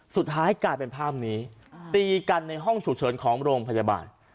สุดท้ายกลายเป็นภาพนี้ตีกันในห้องฉุกเฉินของโรงพยาบาล